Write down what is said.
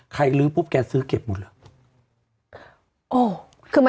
ใครรู้ปุ๊บแกซื้อเก็บหมดเหรอ